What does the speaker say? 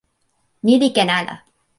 ni li ken ala.